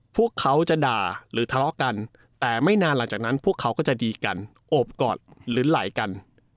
พวกเขาจะด่าหรือทะเลาะกันแต่ไม่นานหลังจากนั้นพวกเขาก็จะดีกันโอบกอดหรือไหลกัน